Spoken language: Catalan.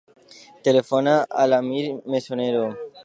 Telefona a l'Amir Mesonero.